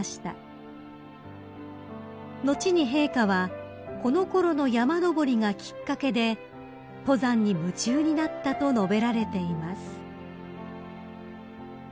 ［後に陛下は「このころの山登りがきっかけで登山に夢中になった」と述べられています］